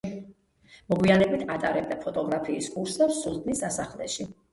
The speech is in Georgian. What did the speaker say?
მოგვიანებით, ატარებდა ფოტოგრაფიის კურსებს სულთნის სასახლეში.